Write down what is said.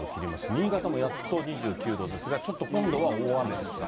新潟もやっと２９度ですが、ちょっと今度は大雨ですか。